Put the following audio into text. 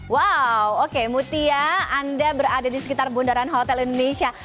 wow oke mutia anda berada di sekitar bundaran hotel indonesia